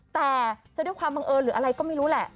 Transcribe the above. แต่จะด้วยความบังเอิญหรืออะไรก็ไม่รู้แหละ